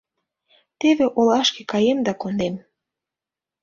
Теве олашке каем да кондем.